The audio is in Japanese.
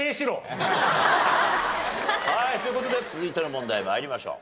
はいという事で続いての問題参りましょう。